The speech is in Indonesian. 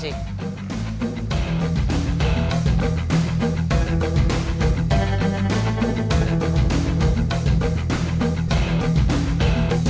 singkirkan dan siapkan pengganti mereka